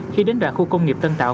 khi đến đoạn khu công nghiệp tân tạo